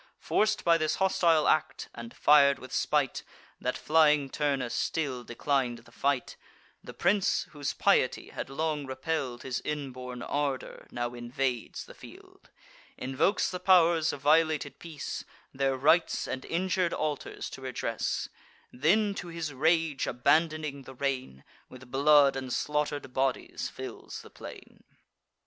Forced by this hostile act, and fir'd with spite, That flying Turnus still declin'd the fight, The Prince, whose piety had long repell'd His inborn ardour, now invades the field; Invokes the pow'rs of violated peace, Their rites and injur'd altars to redress; Then, to his rage abandoning the rein, With blood and slaughter'd bodies fills the plain.